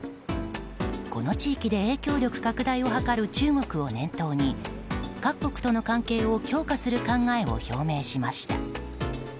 この地域で影響力拡大を図る中国を念頭に各国との関係を強化する考えを表明しました。